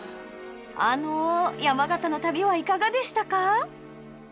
あの山形の旅はいかがでしたか？